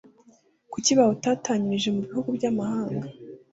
kucyi bawutatanyirije mu bihugu by’amahanga,